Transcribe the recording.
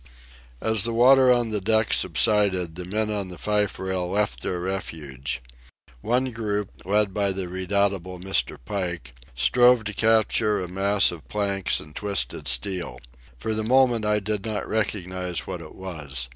As the water on the deck subsided the men on the fife rail left their refuge. One group, led by the redoubtable Mr. Pike, strove to capture a mass of planks and twisted steel. For the moment I did not recognize what it was.